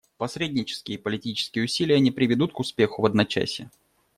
Посреднические политические усилия не приведут к успеху в одночасье.